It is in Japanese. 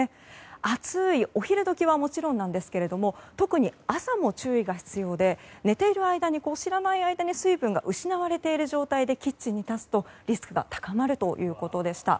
暑いお昼時はもちろんですが特に朝も注意が必要で寝ている間、知らないうちに水分が失われている状態でキッチンに立つと、リスクが高まるということでした。